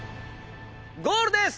ゴールです！